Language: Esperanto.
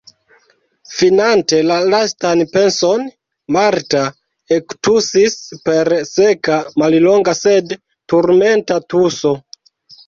Finante la lastan penson, Marta ektusis per seka, mallonga sed turmenta tuso.